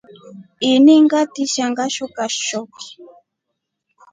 Ini ngatisha Ngashoka shoki.